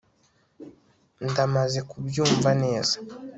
ndamaze kubyumva neza